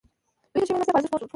دوی د ښې مېلمستیا په ارزښت پوه وو.